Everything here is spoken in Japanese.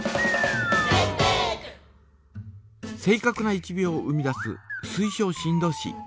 正かくな１秒を生み出す水晶振動子。